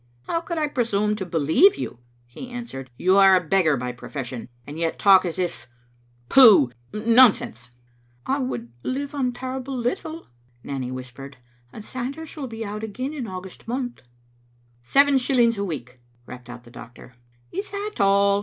" How could I presume to believe you?" he answered. " You are a beggar by profession, and yet talk as if — pooh, nonsense." "I would live on terrible little," Nanny whispered, "and Sanders will be out again in August month." " Seven shillings a week," rapped out the doctor. " Is that all?"